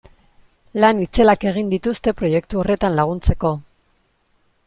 Lan itzelak egin dituzte proiektu horretan laguntzeko.